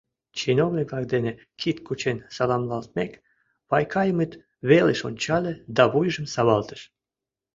Чиновник-влак дене кид кучен саламлалтмек, Вайкаимыт велыш ончале да вуйжым савалтыш.